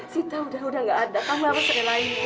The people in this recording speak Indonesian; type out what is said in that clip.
sita udah udah gak ada kamu harus relai